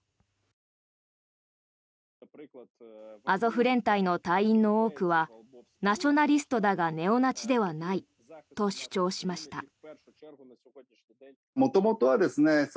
アゾフ連隊の隊員の多くはナショナリストだがネオナチではないと主張しました。